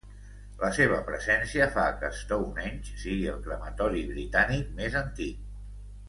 La seva presència fa que Stonehenge sigui el crematori britànic més antic.